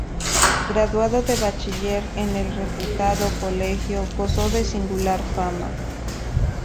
Graduado de bachiller en el reputado Colegio, gozó de singular fama.